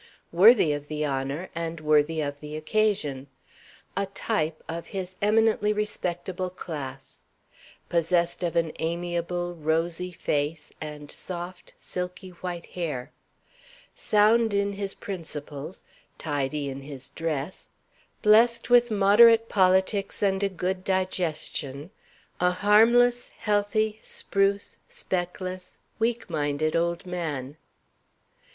Worthy of the honor and worthy of the occasion. A type of his eminently respectable class. Possessed of an amiable, rosy face, and soft, silky white hair. Sound in his principles; tidy in his dress; blessed with moderate politics and a good digestion a harmless, healthy, spruce, speckless, weak minded old man.